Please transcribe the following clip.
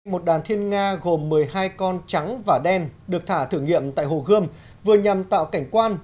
một đàn thiên nga gồm một mươi hai con trắng và đen được thả thử nghiệm tại hồ gươm vừa nhằm tạo cảnh quan